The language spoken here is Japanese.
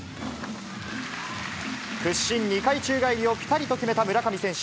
屈身２回宙返りをぴたりと決めた村上選手。